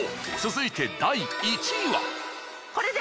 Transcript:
続いて第１位は。